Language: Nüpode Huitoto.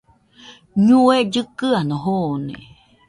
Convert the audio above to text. ñue llɨkɨano joone